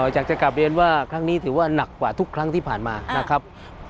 อยากจะกลับเรียนว่าครั้งนี้ถือว่าหนักกว่าทุกครั้งที่ผ่านมานะครับ